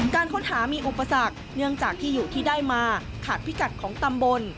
การค้นหามีอุปสรรคเนื่องจากที่อยู่ที่ได้มาขาดพิกัดของตำบล